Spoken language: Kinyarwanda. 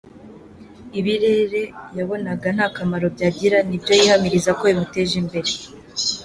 Ibirere yabonaga nta kamaro byagira ni byo yihamiriza ko bimuteje imbere.